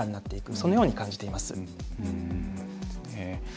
そのように感じています。